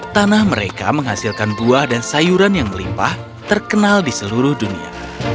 tanah mereka menghasilkan buah dan sayuran yang melimpah terkenal di seluruh dunia